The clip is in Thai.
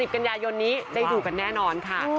กันยายนนี้ได้ดูกันแน่นอนค่ะ